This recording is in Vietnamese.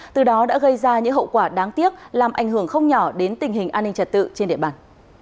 từ đó đã gây ra những hậu quả đáng tiếc làm ảnh hưởng không nhỏ đến tình hình an ninh trật tự trên địa bàn